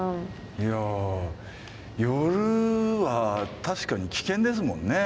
いやあ夜は確かに危険ですもんね。